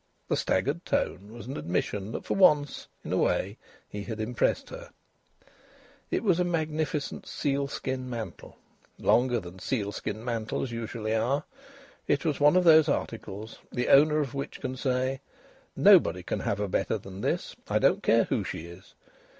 The staggered tone was an admission that for once in a way he had impressed her. It was a magnificent sealskin mantle, longer than sealskin mantles usually are. It was one of those articles the owner of which can say: "Nobody can have a better than this I don't care who she is."